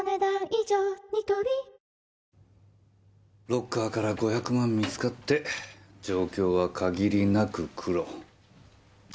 ロッカーから５００万見つかって状況は限りなくクロ。